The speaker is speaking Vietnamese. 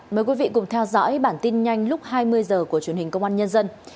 mời quý vị cùng theo dõi bản tin nhanh lúc hai mươi h của truyền hình công an nhân dân